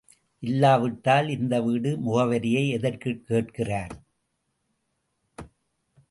இல்லாவிட்டால் இந்த வீட்டு முகவரியை எதற்குக் கேட்கிறார்?